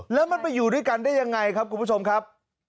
แล้วมันไปอยู่ด้วยกันได้ยังไงครับคุณผู้ชมครับ